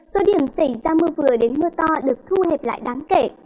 số điểm xảy ra mưa vừa đến mưa to được thu hẹp lại đáng kể